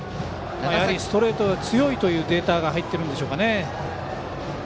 ストレートが強いというデータが入っているんでしょうか。